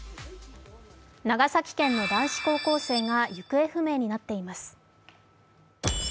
長崎県の男子高校生が行方不明になっています。